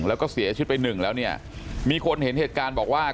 แล้วก็เสียชีวิตไปหนึ่งแล้วเนี่ยมีคนเห็นเหตุการณ์บอกว่า